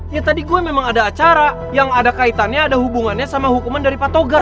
ya tadi gue memang ada acara yang ada kaitannya ada hubungannya sama hukuman dari pak togar